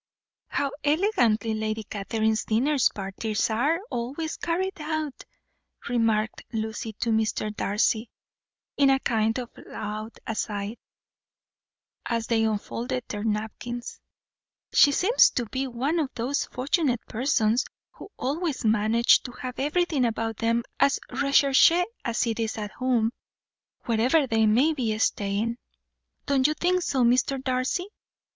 "How elegantly Lady Catherine's dinner parties are always carried out!" remarked Lucy to Mr. Darcy, in a kind of loud aside, as they unfolded their napkins. "She seems to be one of those fortunate persons who always manage to have everything about them as recherché as it is at home, wherever they may be staying. Don't you think so, Mr. Darcy?